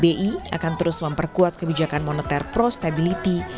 bi akan terus memperkuat kebijakan moneter prostability